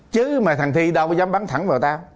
chứ mà thằng thi đâu có dám bắn thẳng vào tao